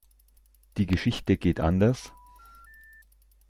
Die Geschichte geht anders.